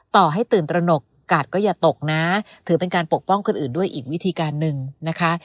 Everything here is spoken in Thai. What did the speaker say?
ต่อให้ตื่นตระหนกกาดก็อย่าตกนะถือเป็นการปกป้องคนอื่นด้วยอีกวิธีการหนึ่งนะคะ